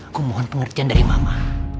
aku mohon pengerjaan dari ma ma